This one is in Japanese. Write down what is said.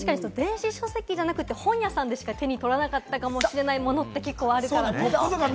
電子書籍じゃなくて本屋さんでしか手に取らなかったかもしれないものって結構あるから。